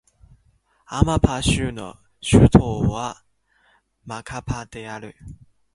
アマパー州の州都はマカパである